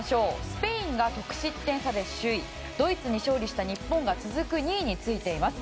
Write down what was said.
スペインが得失点差で首位ドイツに勝利した日本が続く２位についています。